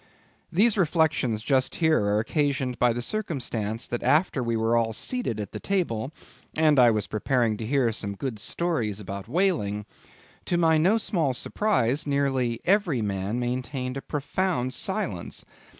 These reflections just here are occasioned by the circumstance that after we were all seated at the table, and I was preparing to hear some good stories about whaling; to my no small surprise, nearly every man maintained a profound silence.